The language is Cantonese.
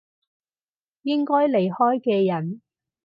應該離開嘅人